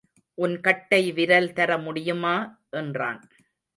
உன் கட்டை விரல் தர முடியுமா? என்றான்.